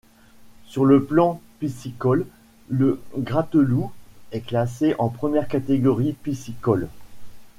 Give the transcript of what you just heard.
Sur le plan piscicole, le Gratteloup est classé en première catégorie piscicole.